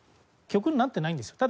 曲になってないんですよ。